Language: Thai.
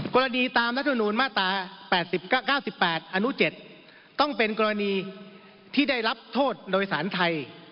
กรณีตามรัฐมนูลมาตรา๙๘อนุ๗ต้องเป็นกรณีที่ได้รับโทษโดยสารไทย